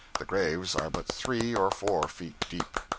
The graves are but three or four feet deep.